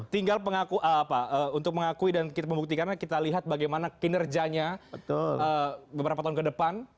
tinggal untuk mengakui dan kita membuktikannya kita lihat bagaimana kinerjanya beberapa tahun ke depan